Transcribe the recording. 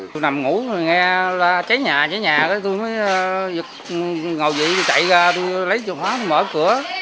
tôi nằm ngủ rồi nghe là cháy nhà cháy nhà tôi mới ngồi vậy chạy ra tôi lấy cửa khóa tôi mở cửa